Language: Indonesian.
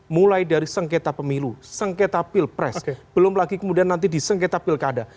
mulai dari sengketa pemilu sengketa pilpres belum lagi kemudian nanti di sengketa pilkada